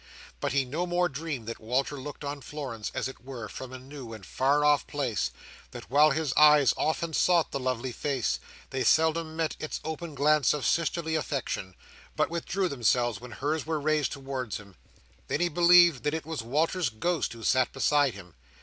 But he no more dreamed that Walter looked on Florence, as it were, from a new and far off place; that while his eyes often sought the lovely face, they seldom met its open glance of sisterly affection, but withdrew themselves when hers were raised towards him; than he believed that it was Walter's ghost who sat beside him.